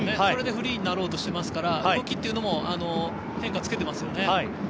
それでフリーになろうとしてますから、動きにも変化をつけてますよね。